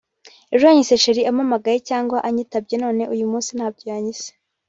Ejo yanyise cheri ampamagaye cyangwa anyitabye none uyu munsi ntabyo yanyise